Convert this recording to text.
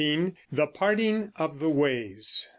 THE PARTING OF THE WAYS.